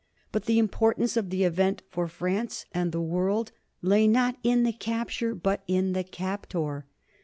But the importance of the event, for France and the world lay not in the capture but in the captor.